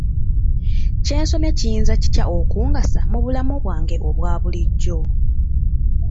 Kye nsomye kiyinza kitya okungasa mu bulamu bwange obwabulijjo?